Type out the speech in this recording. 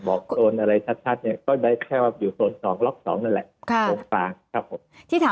บอกโซนอะไรชัดก็ได้แควรอยู่โซน๒